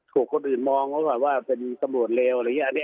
ถูกคนอื่นมองว่าเป็นตำรวจเลวอะไรอย่างนี้